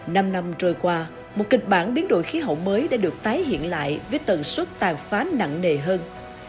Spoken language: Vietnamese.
năm năm trôi qua một kịch bản biến đổi khí hậu mới đã được tái hiện lại với tần suất tàn phá nặng nề hơn